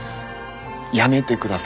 やめてください